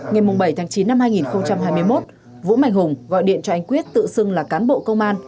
ngày bảy chín hai nghìn hai mươi một vũ mạnh hùng gọi điện cho anh quyết tự xưng là cán bộ công an